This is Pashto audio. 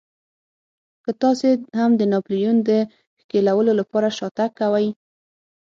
که تاسې هم د ناپلیون د ښکېلولو لپاره شاتګ کوئ.